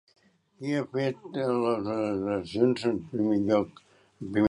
Qui ha fet unes declaracions en primer lloc?